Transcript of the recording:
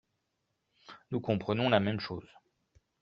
Nous comprenons la même chose